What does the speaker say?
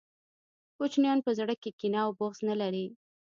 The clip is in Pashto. کوچنیان په زړه کي کینه او بغض نلري